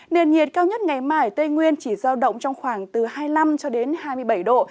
nền nhiệt cao nhất ngày mai ở tây nguyên chỉ giao động trong khoảng từ hai mươi năm cho đến hai mươi bảy độ